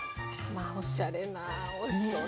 まあおしゃれなおいしそうですね。